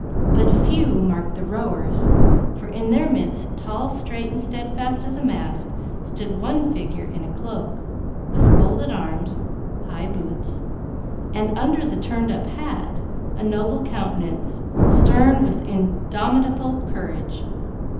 But few marked the rowers, for in their midst, tall, straight, and steadfast as a mast, stood one figure in a cloak, with folded arms, high boots, and, under the turned up hat, a noble countenance, stern with indomitable courage.